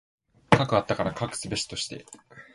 斯くあったから斯くすべしとして。